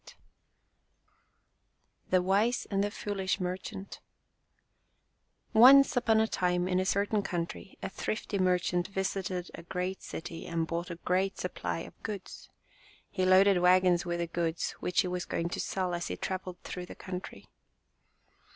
43 X THE WISE AND THE FOOLISH MER CHANT ONCE upon a time in a certain country a thrifty merchant visited a great city and bought a great supply of goods. He loaded wagons with the goods, which he was going to sell as he traveled through the country.